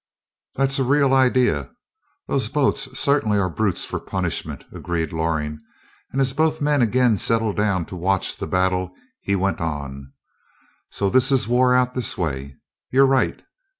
"That's a real idea those boats certainly are brutes for punishment," agreed Loring, and as both men again settled down to watch the battle, he went on: "So this is war out this way? You're right.